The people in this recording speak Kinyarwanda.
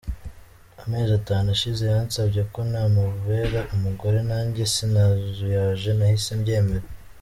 Amezi atanu ashize yansabye ko namubera umugore, nanjye sinazuyaje nahise mbyemera”.